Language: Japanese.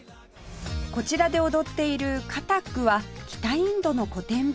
こちらで踊っているカタックは北インドの古典舞踊